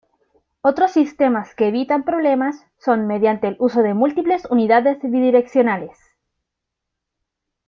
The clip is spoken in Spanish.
Otros sistemas que evitan problemas son mediante el uso de múltiples unidades bidireccionales.